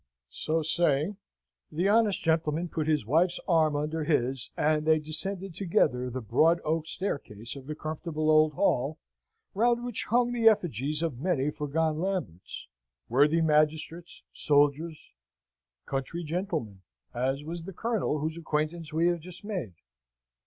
So saying, the honest gentleman put his wife's arm under his, and they descended together the broad oak staircase of the comfortable old hall, round which hung the effigies of many foregone Lamberts, worthy magistrates, soldiers, country gentlemen, as was the Colonel whose acquaintance we have just made.